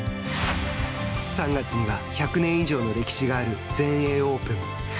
３月には１００年以上の歴史がある全英オープン。